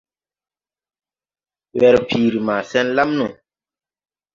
Werpiiri maa sen lam no.